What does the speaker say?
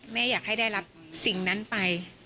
แม่อยากให้ได้รับสิ่งนั้นไป